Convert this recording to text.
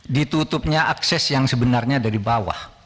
ditutupnya akses yang sebenarnya dari bawah